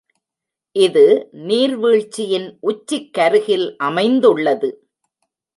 இது நீர் வீழ்ச்சியின் உச்சிக்கருகில் அமைந்துள்ளது.